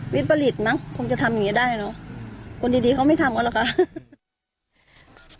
วิทย์ประหลีกมั้งผมจะทำอย่างงี้ได้เนอะคนดีเขาไม่ทำก็แหละค่ะ